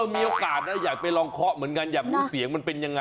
มีโอกาสนะอยากไปลองเคาะเหมือนกันอยากรู้เสียงมันเป็นยังไง